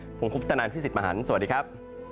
ผมคุณพุทธนันที่สิทธิ์มหาลสวัสดีครับ